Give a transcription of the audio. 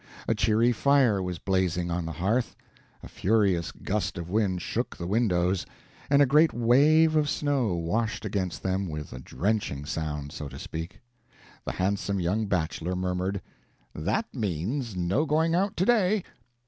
A cheery fire was blazing on the hearth. A furious gust of wind shook the windows, and a great wave of snow washed against them with a drenching sound, so to speak. The handsome young bachelor murmured: "That means, no going out to day.